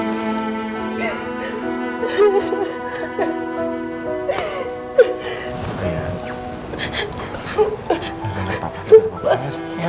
tak apa tak apa